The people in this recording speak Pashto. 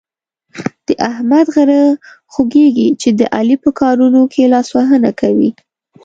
د احمد غره خوږېږي چې د علي په کارو کې لاسوهنه کوي.